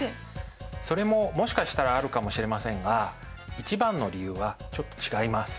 それももしかしたらあるかもしれませんが一番の理由はちょっと違います。